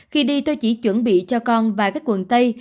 khi đi tôi chỉ chuẩn bị cho con và các quần tây